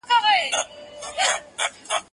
زه له سهاره لوبه کوم؟!